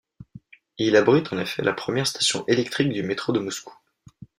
Il abrite en effet la première station électrique du métro de Moscou.